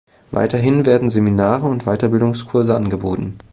Weiterhin werden Seminare und Weiterbildungskurse angeboten.